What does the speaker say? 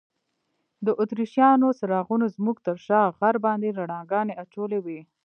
د اتریشیانو څراغونو زموږ تر شا غر باندې رڼاګانې اچولي وې.